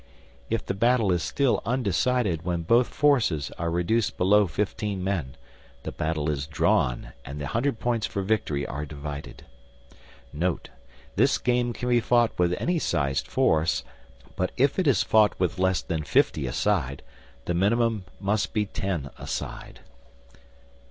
If the battle is still undecided when both forces are reduced below fifteen men, the battle is drawn and the 100 points for victory are divided. Note This game can be fought with any sized force, but if it is fought with less than 50 a side, the minimum must be 10 a side.